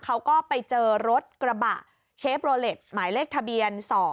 เขาก็ไปเจอรถกระบะเชฟโรเล็ตหมายเลขทะเบียน๒